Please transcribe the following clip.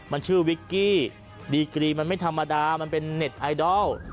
มันชื่อวิกกี้ดีกรีมันไม่ธรรมดามันเป็นเน็ตไอดอล